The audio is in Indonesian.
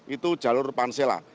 itu jalur pansela